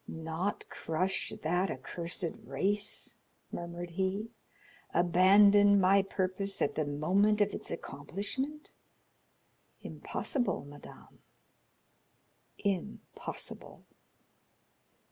"Not crush that accursed race?" murmured he; "abandon my purpose at the moment of its accomplishment? Impossible, madame, impossible!"